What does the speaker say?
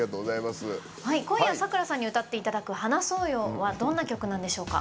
今夜さくらさんに歌っていただく「話そうよ」はどんな曲なんでしょうか？